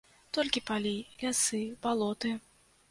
Толькі палі, лясы, балоты.